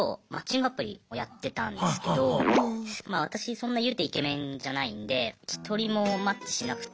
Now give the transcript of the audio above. そんないうてイケメンじゃないんで１人もマッチしなくって。